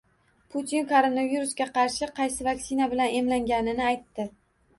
Putin koronavirusga qarshi qaysi vaksina bilan emlanganini aytdi